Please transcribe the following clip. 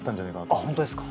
あっ本当ですか？